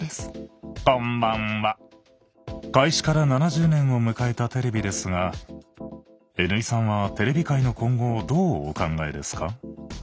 開始から７０年を迎えたテレビですがＮ井さんはテレビ界の今後をどうお考えですか？